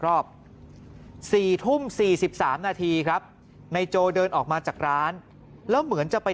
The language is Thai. รอบ๔ทุ่ม๔๓นาทีครับนายโจเดินออกมาจากร้านแล้วเหมือนจะไป